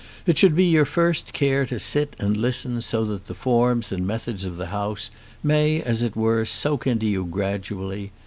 It should be your first care to sit and listen so that the forms and methods of the House may as it were soak into you gradually.